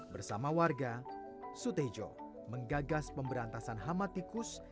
bersama warga sutejo menggagas pemberantasan hama tikus